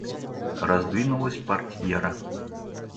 Раздвинулась портьера.